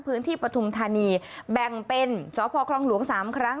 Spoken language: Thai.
ปฐุมธานีแบ่งเป็นสพคลองหลวง๓ครั้ง